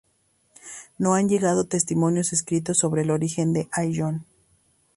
No han llegado testimonios escritos sobre el origen de Ayllón.